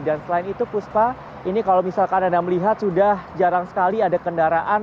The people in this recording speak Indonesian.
dan selain itu puspa ini kalau misalkan anda melihat sudah jarang sekali ada kendaraan